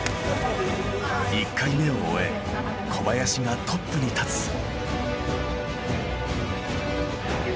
１回目を終え小林がトップに立つ。